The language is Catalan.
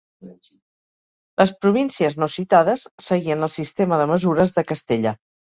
Les províncies no citades seguien el sistema de mesures de Castella.